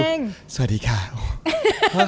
ไม่อุตส่าห์ทักทายด้วยแบบว่า